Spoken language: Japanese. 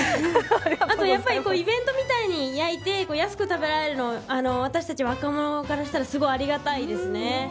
あとはイベントみたいに焼いて安く食べられるのは私たち若者からしたらありがたいですね。